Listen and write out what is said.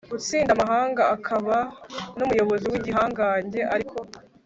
utsinda amahanga akaba n umuyobozi w igihangange Ariko